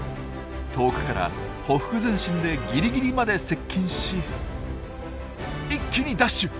遠くからほふく前進でギリギリまで接近し一気にダッシュ！